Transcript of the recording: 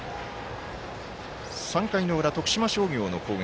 ３回の裏、徳島商業の攻撃。